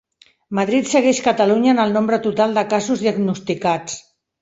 Madrid segueix Catalunya en el nombre total de casos diagnosticats.